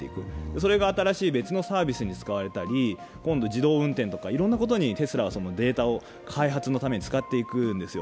それが新しい別のサービスに使われたり今度自動運転とか、いろんなことにテスラはデータを開発のために使っていくんですよ。